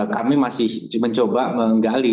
kami masih mencoba menggali